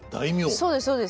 そうですそうです。